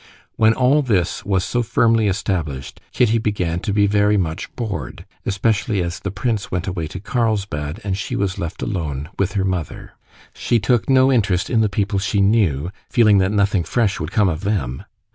When all this was so firmly established, Kitty began to be very much bored, especially as the prince went away to Carlsbad and she was left alone with her mother. She took no interest in the people she knew, feeling that nothing fresh would come of them.